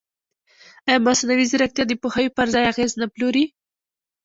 ایا مصنوعي ځیرکتیا د پوهاوي پر ځای اغېز نه پلوري؟